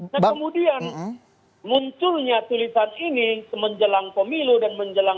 nah kemudian munculnya tulisan ini menjelang pemilu dan menjelang